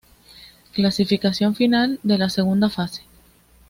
Clasificación final de la segunda fase.